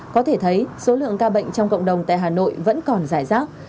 có thể thấy số lượng ca bệnh trong cộng đồng tại hà nội vẫn còn dài rác